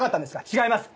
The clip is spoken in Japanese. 違います！